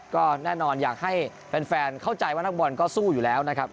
ก็แน่นอนอยากให้แฟนเข้าใจว่านักบอลก็สู้อยู่แล้วนะครับ